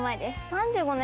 ３５年